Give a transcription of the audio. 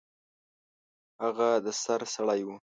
هغه د سر سړی و.